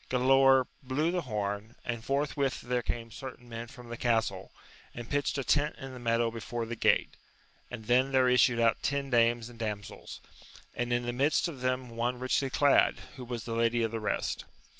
Galaor blew the horn, and forthwith there came certain men from the castle, and pitched a tent in the meadow before the gate, and then there issued out ten dames and damsels, and in the midst of them one richly clad, who was the lady of the rest.